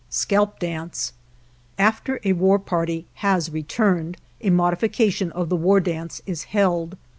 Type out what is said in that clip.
Scalp Dance After a war party has returned, a modifi cation of the war dance is held.